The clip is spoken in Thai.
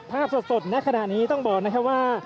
ภาพสดในขณะนี้ต้องบอกนะครับว่า